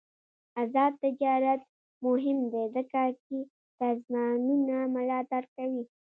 آزاد تجارت مهم دی ځکه چې سازمانونه ملاتړ کوي.